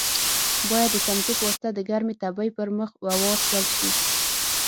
باید د څمڅۍ په واسطه د ګرمې تبۍ پر مخ اوار کړل شي.